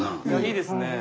いいですねえ。